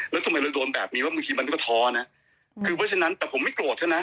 แล้วทำไมเราโดนแบบนี้ว่าบางทีมันก็ท้อนะคือเพราะฉะนั้นแต่ผมไม่โกรธเขานะ